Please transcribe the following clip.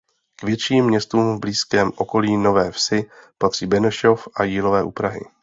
K větším městům v blízkém okolí Nové Vsi patří Benešov a Jílové u Prahy.